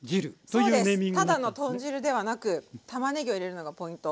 そうですただの豚汁ではなくたまねぎを入れるのがポイント。